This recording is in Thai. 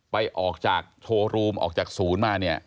ออกจากโชว์รูมออกจากศูนย์มาเนี่ย